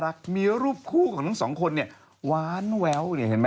กระเทยเก่งกว่าเออแสดงความเป็นเจ้าข้าว